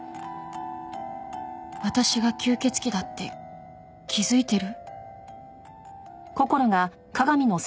私が吸血鬼だって気づいてる？